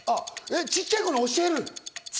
ちっちゃい子に教える？